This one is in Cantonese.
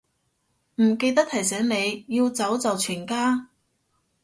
唔記得提醒你，要走就全家